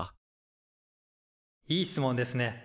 いい質問ですね。